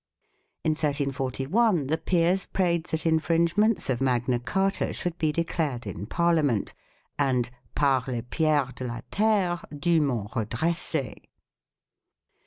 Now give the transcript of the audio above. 8 In 1341 the Peers prayed that infringements of Magna Carta should be declared in Parliament, and " par les Pieres de la terre duement redrescez